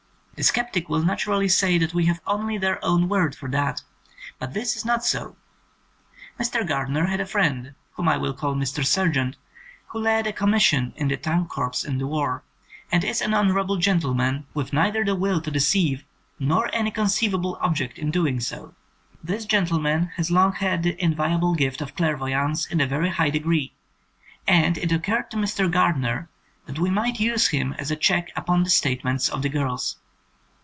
The sceptic will naturally say that we have only their own word for that, but this is not so. Mr. Gardner had a friend, whom I will call Mr. Sergeant, who held a com mission in the Tank Corps in the war, and is an honourable gentleman with neither the will to deceive nor any conceivable object in doing so. This gentleman has long had the enviable gift of clairvoyance in a very high degree, and it occurred to Mr. Gardner that we might use him as a check upon the state ments of the girls.